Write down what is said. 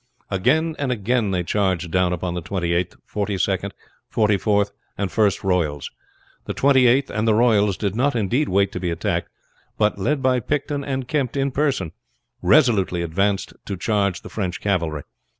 Again and again they charged down upon the Twenty eighth, Forty second, Forty fourth, and First Royals. The Twenty eighth and the Royals did not indeed wait to be attacked, but led by Picton and Kempt in person resolutely advanced to charge the French cavalry.